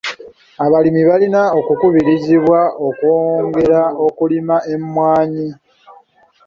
Abalimi balina okukubirizibwa okwongera okulima emmwanyi